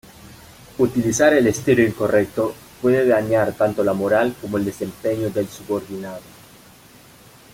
Utilizar el estilo incorrecto puede dañar tanto la moral como el desempeño del subordinado.